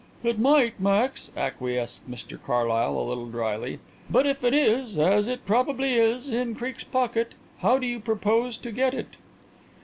"It might, Max," acquiesced Mr Carlyle a little dryly. "But if it is, as it probably is, in Creake's pocket, how do you propose to get it?"